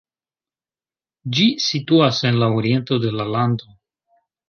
Ĝi situas en la oriento de la lando.